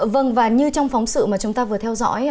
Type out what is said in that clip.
vâng và như trong phóng sự mà chúng ta vừa theo dõi